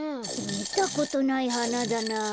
みたことないはなだなあ。